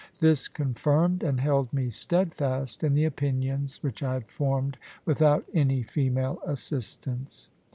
This confirmed and held me steadfast in the opinions which I had formed without any female assistance.